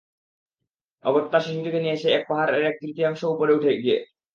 অগত্যা শিশুটিকে নিয়ে সে এক পাহাড়ের এক-তৃতীয়াংশ উপরে গিয়ে উঠে।